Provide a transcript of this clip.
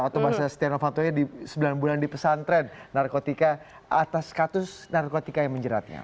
atau bahasa setonowanto nya sembilan bulan dipesantren narkotika atas status narkotika yang menjeratnya